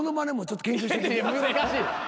難しい。